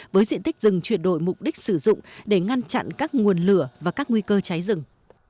với diện tích rừng chuyển đổi mục đích sử dụng để ngăn chặn các nguồn lửa và các nguy cơ cháy rừng